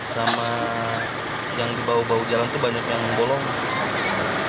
sama yang dibawah bawah jalan itu banyak yang bolong